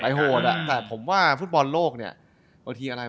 แต่ผมว่าฟุตบอลโลกเนี่ย